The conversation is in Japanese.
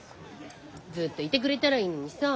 ずっといてくれたらいいのにさ。